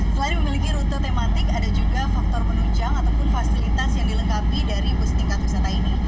selain memiliki rute tematik ada juga faktor penunjang ataupun fasilitas yang dilengkapi dari bus tingkat wisata ini